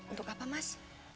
untuk apa mas